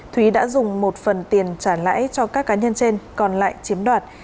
thúy đã dùng một phần tiền trả lãi cho các cá nhân trên còn lại chiếm đoạt